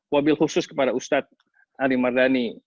wabil khusus kepada ustadz ali mardani